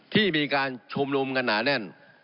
ที่มีการชุมนุมกันหนาแน่น